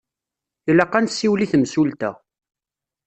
Ilaq ad nsiwel i temsulta.